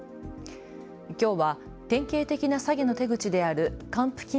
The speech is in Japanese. きょうは典型的な詐欺の手口である還付金